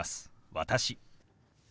「私」。